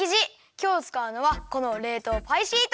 きょうつかうのはこのれいとうパイシート。